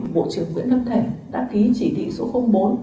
bộ trưởng nguyễn lâm thành đã ký chỉ thị số bốn